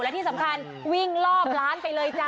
และที่สำคัญวิ่งรอบร้านไปเลยจ้ะ